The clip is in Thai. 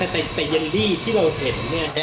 แต่ยันลี่ที่เราเห็นเนี่ย